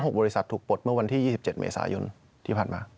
บริษัทถูกปลดเมื่อวันที่๒๗เมษายนที่ผ่านมา